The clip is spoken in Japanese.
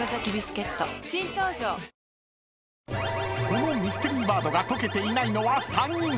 ［このミステリーワードが解けていないのは３人］